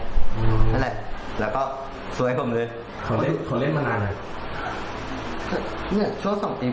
จริงคุณครับ